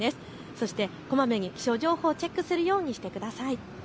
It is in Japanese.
そしてこまめに気象情報をチェックするようにしてください。